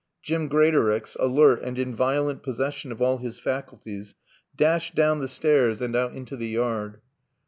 Jim Greatorex, alert and in violent possession of all his faculties, dashed down the stairs and out into the yard.